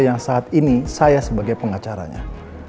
yang saat ini saya sebagai pengacaranya